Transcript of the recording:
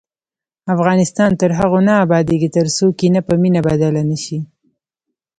افغانستان تر هغو نه ابادیږي، ترڅو کینه په مینه بدله نشي.